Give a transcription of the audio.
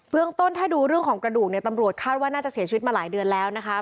เรื่องต้นถ้าดูเรื่องของกระดูกเนี่ยตำรวจคาดว่าน่าจะเสียชีวิตมาหลายเดือนแล้วนะคะ